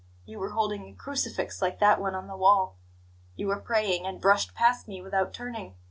You were holding a crucifix like that one on the wall. You were praying, and brushed past me without turning.